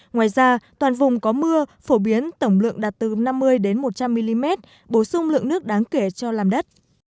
ngoài ra toàn vùng có mưa phổ biến tổng lượng đạt từ năm mươi một trăm linh mm bổ sung lượng nước đáng kể cho làm đất